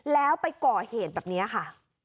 แล้วไปก่อเหตุแบบนี้ค่ะ